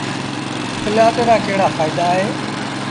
پلآٽ رآ ڪهڙآ ڦآئيدآ اهيݩ۔